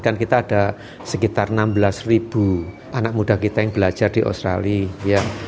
kan kita ada sekitar enam belas ribu anak muda kita yang belajar di australia